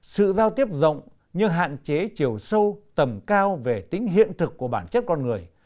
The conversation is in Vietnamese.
sự giao tiếp rộng nhưng hạn chế chiều sâu tầm cao về tính hiện thực của bản chất con người